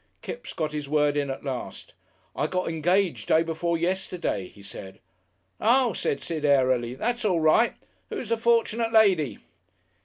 Kipps got his word in at last. "I got engaged day before yesterday," he said. "Ah!" said Sid airily. "That's all right. Who's the fortunate lady?"